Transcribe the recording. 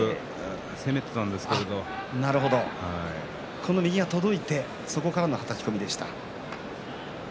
その右が届いてそこからのはたき込みでした。